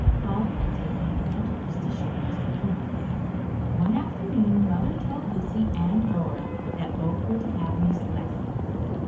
Father had taken the letters to show Mr. Thorne. One afternoon Mother told Lucy and Dora that both were to have music lessons.